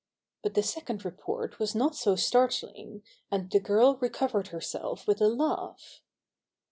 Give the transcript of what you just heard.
But the second report was not so startling, and the girl recovered herself with a laugh.